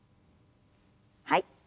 はい。